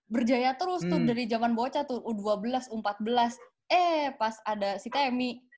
berjaya terus tuh dari zaman bocah tuh u dua belas u empat belas eh pas ada si temi